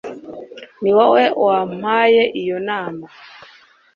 Niwowe wampaye iyo nama